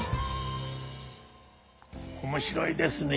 面白いですね。